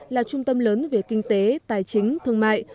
là trung tâm lớn về kinh tế tài chính thương mại